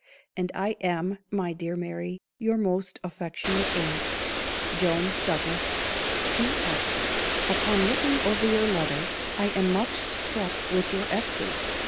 _ And I am, my dear Mary, your most affectionate aunt, "JOAN DOUGLAS." "P.S. Upon looking over your letter, I am much struck with your X's.